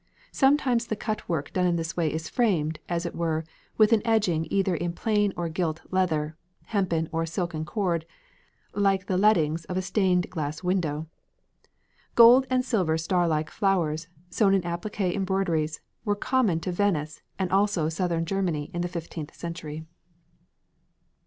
Sometimes the cut work done in this way is framed, as it were, with an edging either in plain or gilt leather, hempen or silken cord, like the leadings of a stained glass window." Gold and silver starlike flowers, sewn on appliqué embroideries, were common to Venice and also southern Germany in the fifteenth century.